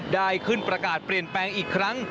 ได้ขึ้นประกาศเปลี่ยนแปลงอีกครั้ง